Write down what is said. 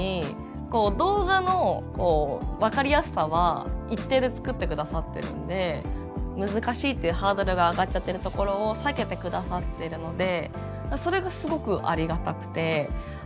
不思議なのが作って下さってるんで難しいってハードルが上がっちゃってるところを下げてくださっているのでそれがすごくありがたくて。